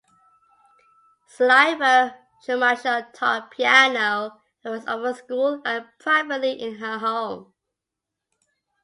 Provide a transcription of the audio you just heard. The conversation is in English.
Sylvia Schumacher taught piano at Westover School and privately in her home.